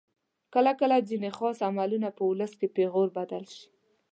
کله کله ځینې خاص عملونه په ولس کې پیغور بدل شي.